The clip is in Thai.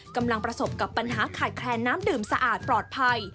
กำลังประสบกับปัญหาขาดแคลนน้ำดื่มสะอาดปลอดภัย